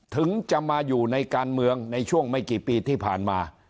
ถึงจะมาอยู่ในการเมืองในช่วงไม่กี่ปีที่ผ่านมา